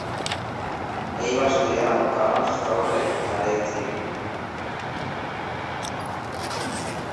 Ell va estudiar amb Karl Straube a Leipzig.